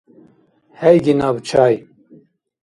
ХӀейги наб чай.